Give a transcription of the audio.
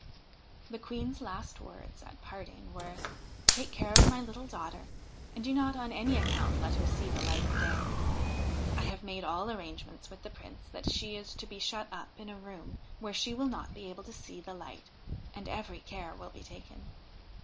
The Queen's last words at parting were :' Take care of my little daughter, and do not on any account let her see the light of day. I have made all arrangements with the Prince that she is to be shut up in a room where she will not be able to see the light, and every care will be taken.'